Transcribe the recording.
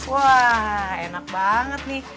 wah enak banget nih